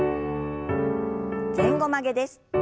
前後曲げです。